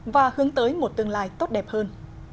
và hướng tới một tương lai tốt đẹp hơn